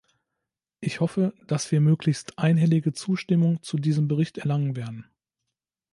Ich hoffe, dass wir möglichst einhellige Zustimmung zu diesem Bericht erlangen werden.